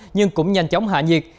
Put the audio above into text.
nhưng cũng nhanh chóng hạ nhiệt